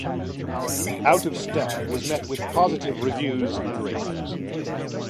"Out of Step" was met with positive reviews and ratings.